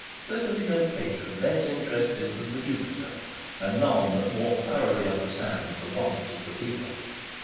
There can be no patron less interested than the Jupiter, and none that more thoroughly understands the wants of the people.